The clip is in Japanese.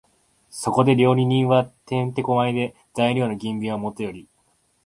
そこで料理人は転手古舞で、材料の吟味はもとより、